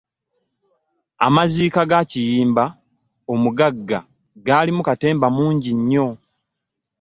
Amaziika ga Kiyimba omugagga gaalimu katemba mungi nnyo.